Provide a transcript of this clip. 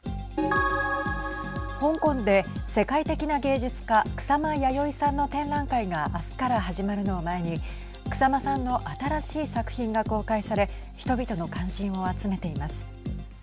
香港で世界的な芸術家草間彌生さんの展覧会が明日から始まるのを前に草間さんの新しい作品が公開され人々の関心を集めています。